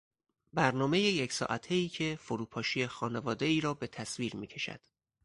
برنامهی یک ساعتهای که فروپاشی خانوادهای را به تصویر میکشد.